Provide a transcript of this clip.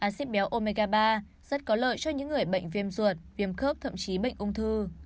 acid béo omega ba rất có lợi cho những người bệnh viêm ruột viêm khớp thậm chí bệnh ung thư